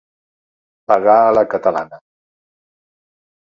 Pagar a la catalana.